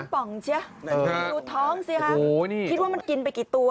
ดูท้องสิครับคิดว่ามันกินไปกี่ตัว